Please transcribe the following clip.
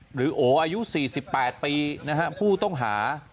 หรือโหอายุสี่สิบแปดปีนะฮะผู้ต้องหา